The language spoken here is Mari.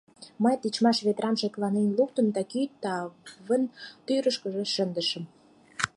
Мый тичмаш ведрам шекланен луктым да кӱ тавын тӱрышкыжӧ шындышым.